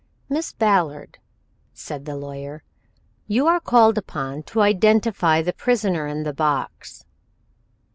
"Miss Ballard," said the lawyer, "you are called upon to identify the prisoner in the box."